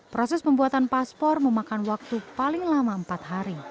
proses pembuatan paspor memakan waktu paling lama empat hari